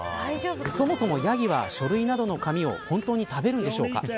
そもそもヤギは書類などの紙を本当に食べるんでしょうか。